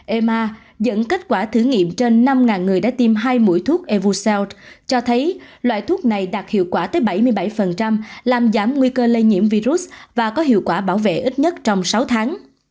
ema dẫn kết quả thử nghiệm trên năm người đã tiêm hai mũi thuốc evosel cho thấy loại thuốc này đạt hiệu quả tới bảy mươi bảy làm giảm nguy cơ lây nhiễm virus và có hiệu quả bảo vệ ít nhất trong sáu tháng